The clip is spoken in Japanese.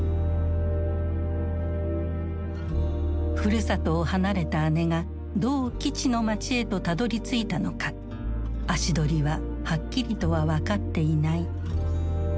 ふるさとを離れた姉がどう基地の街へとたどりついたのか足取りははっきりとは分かっていない。